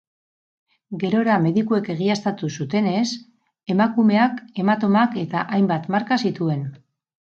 Gerora medikuek egiaztatu zutenez, emakumeak hematomak eta hainbat marka zituen.